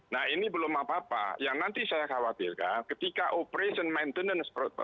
nah ini belum apa apa yang nanti saya khawatirkan ketika operasi maintenance kereta ini sudah jadi